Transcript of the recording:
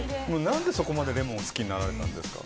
何で、そこまでレモンがお好きになられたんですか？